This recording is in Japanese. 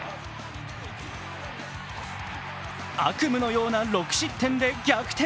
悪夢のような６失点で逆転